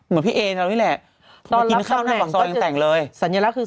มีอันนี้ทำแล้ว